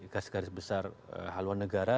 garis garis besar haluan negara